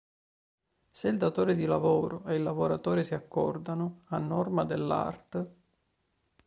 Se il datore di lavoro e il lavoratore si accordano, a norma dell'art.